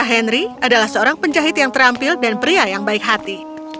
henry adalah seorang penjahit yang terampil dan pria yang baik hati